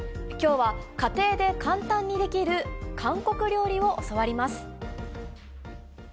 きょうは家庭で簡単にできる韓国料理を教わります。